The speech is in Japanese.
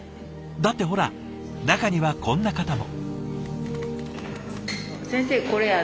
だってほら中にはこんな方も。